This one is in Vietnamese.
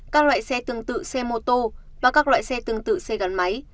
các loại xe tương tự xe mô tô và các loại xe tương tự xe gắn máy